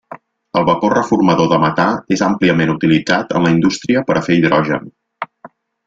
El vapor reformador de metà és àmpliament utilitzat en la indústria per a fer hidrogen.